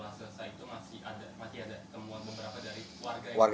masih ada temuan beberapa dari warga